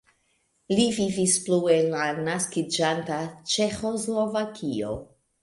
Li vivis plu en la naskiĝanta Ĉeĥoslovakio.